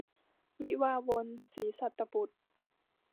วิวาห์วน - ศรีสัตตบุษย์